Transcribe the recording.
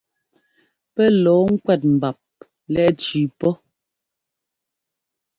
Pɛ́ lɔ̌ɔ ŋkúɛ́t mbap lɛ́ʼ cʉʉ pɔ.